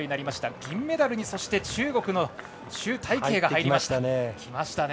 そして銀メダルに中国の朱大慶が入りました。